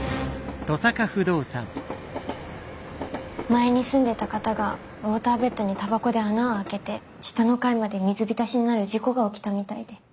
前に住んでた方がウォーターベッドにタバコで穴を開けて下の階まで水浸しになる事故が起きたみたいで。